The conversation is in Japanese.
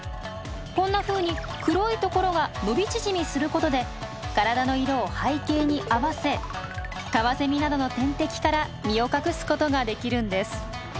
こんなふうに黒いところが伸び縮みすることで体の色を背景に合わせカワセミなどの天敵から身を隠すことができるんです。